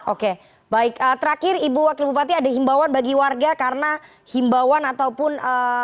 oke baik terakhir ibu wakil bupati ada himbauan bagi warga karena himbauan ataupun